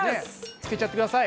つけちゃってください！